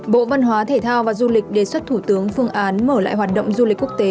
bộ văn hóa thể thao và du lịch đề xuất thủ tướng phương án mở lại hoạt động du lịch quốc tế